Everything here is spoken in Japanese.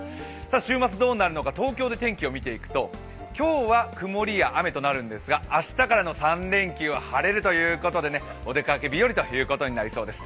週末、どうなるのか、東京で天気を見ていくと今日は曇りや雨となるんですが、明日からの３連休は晴れるということで、お出かけ日和ということになりそうです。